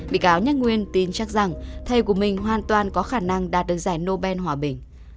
bị cáo nhắc nguyên tin chắc rằng thầy của mình hoàn toàn có khả năng đạt được giải nobel hòa bình